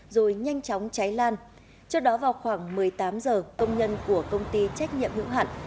rồi nhanh chóng cháy lan trước đó vào khoảng một mươi tám giờ công nhân của công ty trách nhiệm hữu hạn